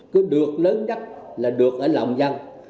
cứ được lớn nhất là được ở lòng dân